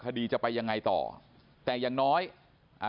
คดีจะไปยังไงต่อแต่อย่างน้อยอ่า